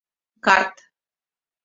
Карт.